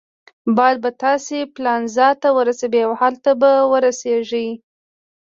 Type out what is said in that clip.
باد به تاسي پالنزا ته ورسوي او هلته به ورسیږئ.